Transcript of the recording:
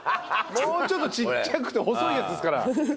もうちょっとちっちゃくて細いやつですから。